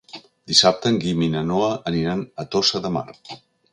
Dissabte en Guim i na Noa aniran a Tossa de Mar.